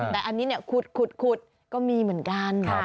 แต่อันนี้ขุดก็มีเหมือนกัน